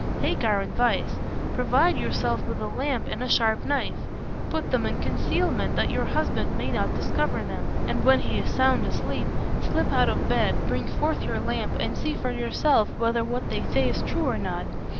Take our advice. Provide yourself with a lamp and a sharp knife; put them in concealment that your husband may not discover them, and when he is sound asleep, slip out of bed, bring forth your lamp, and see for yourself whether what they say is true or not.